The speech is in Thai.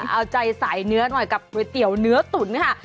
เอาใจสายเนื้อหน่อยกับก๋วยเตี๋ยวเนื้อตุ๋นค่ะ